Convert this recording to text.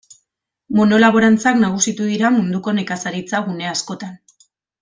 Monolaborantzak nagusitu dira munduko nekazaritza gune askotan.